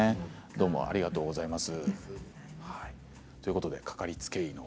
ありがとうございます。